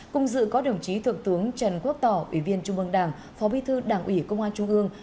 cùng dự có đồng chí thượng tướng trần quốc tỏ ủy viên trung ương đảng phó bí thư đảng ủy công an trung ương